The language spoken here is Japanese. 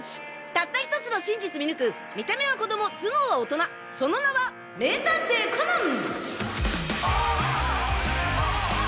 たった１つの真実見抜く見た目は子供頭脳は大人その名は名探偵コナン！